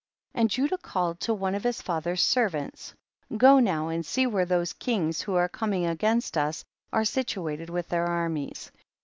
57. And Judah called to one of his father's servants, go now and see where those kings, who are coming against us, are situated with their armies.